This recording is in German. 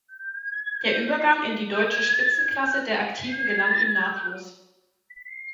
Der Übergang in die deutsche Spitzenklasse der Aktiven gelang ihm nahtlos.